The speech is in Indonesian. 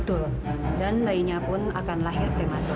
betul dan bayinya pun akan lahir prematur